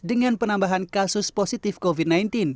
daripada menambahkan kasus positif covid sembilan belas